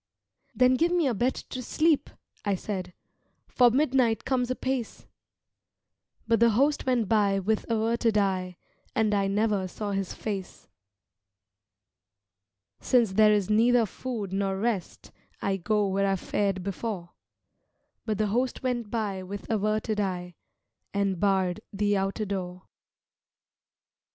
"Then give me a bed to sleep," I said, "For midnight comes apace" But the Host went by with averted eye And I never saw his face. "Since there is neither food nor rest, I go where I fared before" But the Host went by with averted eye And barred the outer door.